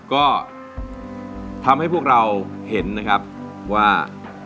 ก็ทำให้พวกเราเห็นว่า